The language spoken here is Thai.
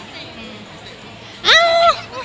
อ้าว